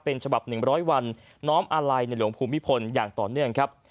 เป็นฉบับ๑๐๐วันน้อมอาลัยในหลวงภูมิพลอย่างต่อเนื่องครับ